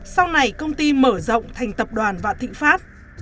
sau này công ty mở rộng thành tập đoàn vạn thị phát